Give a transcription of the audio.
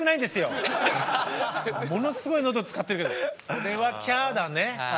それはキャーだね。